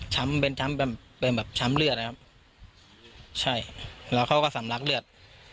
เป็นช้ำเป็นเป็นแบบช้ำเลือดนะครับใช่แล้วเขาก็สำลักเลือด